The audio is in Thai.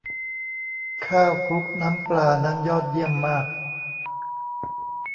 ข้าวคลุกน้ำปลา นั้นยอดเยี่ยมมาก